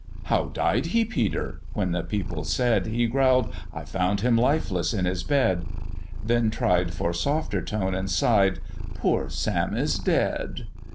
"How died he, Peter?" when the people said, He growl'd "I found him lifeless in his bed;" Then tried for softer tone, and sigh'd, "Poor Sam is dead."